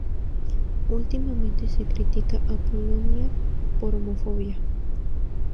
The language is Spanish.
Últimamente, se critica a Polonia por homofobia.